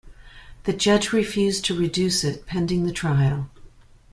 The judge refused to reduce it, pending the trial.